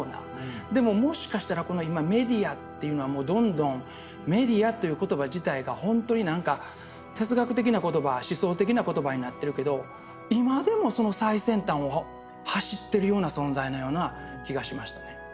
でももしかしたらこの今メディアっていうのはもうどんどんメディアという言葉自体がほんとに何か哲学的な言葉思想的な言葉になってるけど今でもその最先端を走ってるような存在のような気がしましたね。